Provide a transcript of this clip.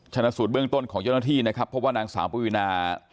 ฉนีรสูตรเบื้องต้นของเยอะนาทีนะครับเพราะว่านางสามปุ้งวินา